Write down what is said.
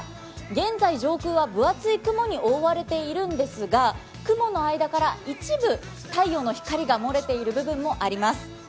現在、上空は分厚い雲に覆われているんですが、雲の間から一部、太陽の光が漏れている部分もあります。